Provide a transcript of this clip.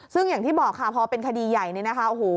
ซึ่งอย่างที่บอกค่ะเพราะเป็นคดีใหญ่นี้นะคะ